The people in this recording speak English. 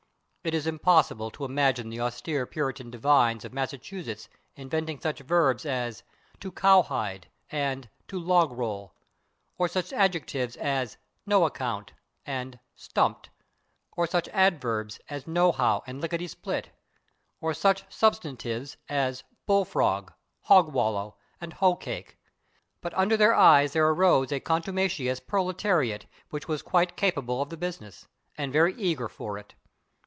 It is impossible to imagine the austere Puritan divines of Massachusetts inventing such verbs as /to cowhide/ and /to logroll/, or such adjectives as /no account/ and /stumped/, or such adverbs as /no how/ and [Pg045] /lickety split/, or such substantives as /bull frog/, /hog wallow/ and /hoe cake/; but under their eyes there arose a contumacious proletariat which was quite capable of the business, and very eager for it.